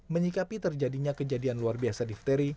menikapi terjadinya kejadian luar biasa diphteri